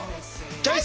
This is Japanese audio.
チョイス！